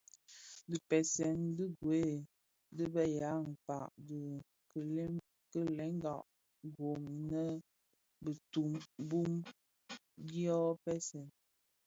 Dhipèseèn ti gwed i be ya mpkag di kilenga gom imë bituu bum dyoň npèsèn.